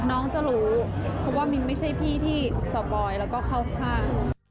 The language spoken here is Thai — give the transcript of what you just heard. น้องจะรู้เพราะว่ามินไม่ใช่พี่ที่สปอยแล้วก็เข้าข้าง